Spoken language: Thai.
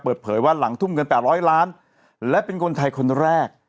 เปิดเผยว่าหลังทุ่มเงิน๘๐๐ล้านและเป็นคนไทยคนแรก